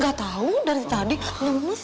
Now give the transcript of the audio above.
gak tau dari tadi lemes